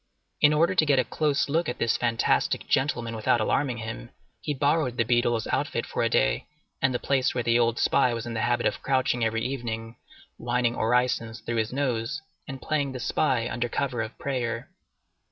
In order to get a close look at this fantastic gentleman without alarming him, he borrowed the beadle's outfit for a day, and the place where the old spy was in the habit of crouching every evening, whining orisons through his nose, and playing the spy under cover of prayer.